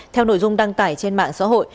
theo nội dung đăng tải trên mạng xã hội